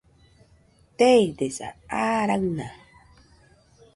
Teidesa, aa raɨna